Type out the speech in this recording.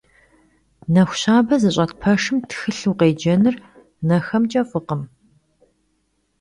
Nexu şabe zış'et peşşım txılh vuşêcenır nexemç'e f'ıkhım.